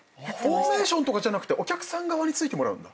フォーメーションとかじゃなくてお客さん側についてもらうんだ？